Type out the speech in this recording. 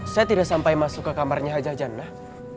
saya tidak sampai masuk ke kamarnya aja jannah